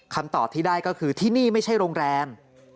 คำตอบที่ได้ก็คือที่นี่ไม่ใช่โรงแรม